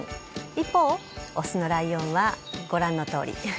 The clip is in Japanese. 一方、オスのライオンはご覧のとおり。